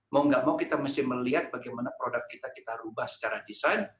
mau nggak mau kita mesti melihat bagaimana produk kita kita ubah secara desain